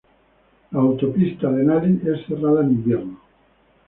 La autopista Denali es cerrada en invierno.